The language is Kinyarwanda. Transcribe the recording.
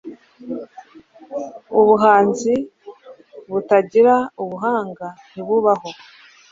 Ubuhanzi butagira ubuhanga ntibubaho